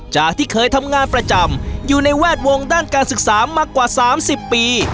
จากที่เคยทำงานประจำอยู่ในแวดวงด้านการศึกษามากว่า๓๐ปี